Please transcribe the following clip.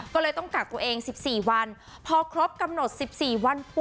ก็เลยต้องกักตัวเอง๑๔วันพอครบกำหนด๑๔วันปุ๊